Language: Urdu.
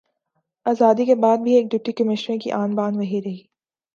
آزادی کے بعد بھی ایک ڈپٹی کمشنر کی آن بان وہی رہی